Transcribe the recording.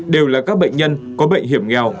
đều là các bệnh nhân có bệnh hiểm nghèo